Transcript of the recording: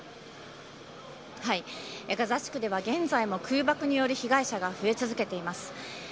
ガザ地区では現在も空爆による被害者が増え続けています。